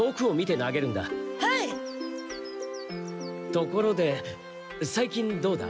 ところで最近どうだ？